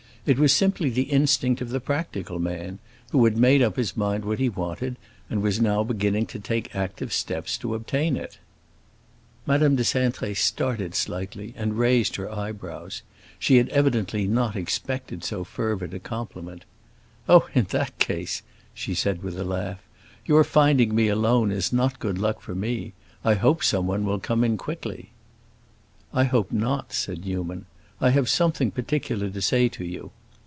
It was simply the instinct of the practical man, who had made up his mind what he wanted, and was now beginning to take active steps to obtain it. Madame de Cintré started slightly, and raised her eyebrows; she had evidently not expected so fervid a compliment. "Oh, in that case," she said with a laugh, "your finding me alone is not good luck for me. I hope someone will come in quickly." "I hope not," said Newman. "I have something particular to say to you.